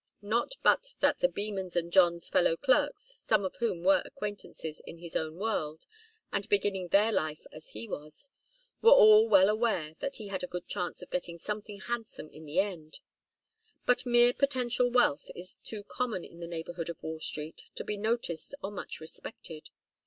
Not but that the Bemans and John's fellow clerks, some of whom were acquaintances in his own world and beginning their life as he was, were all well aware that he had a good chance of getting something handsome in the end. But mere potential wealth is too common in the neighbourhood of Wall Street to be noticed or much respected.